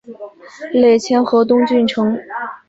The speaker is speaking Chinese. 累迁河东郡丞。